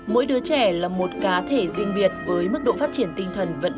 mỗi đứa trẻ là một cá thể riêng biệt với mức độ phát triển tinh thần vận động